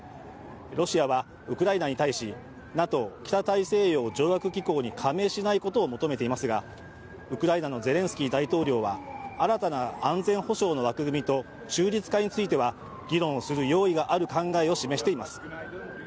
ロシアはウクライナに対しＮＡＴＯ＝北大西洋条約機構に加盟しないことを求めていますがウクライナのゼレンスキー大統領は新たな安全保障の枠組みと中立化については、議論をする用意がある考えを示しています。